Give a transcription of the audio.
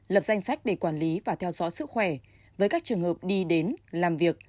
lập danh sách để quản lý và theo dõi sức khỏe với các trường hợp đi đến làm việc